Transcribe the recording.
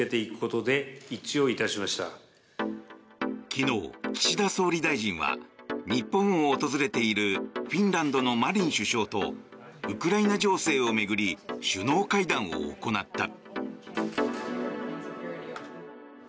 昨日、岸田総理大臣は日本を訪れているフィンランドのマリン首相とウクライナ情勢を巡り首脳会談を行った。